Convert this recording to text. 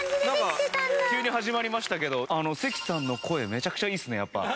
なんか急に始まりましたけど関さんの声めちゃくちゃいいですねやっぱ。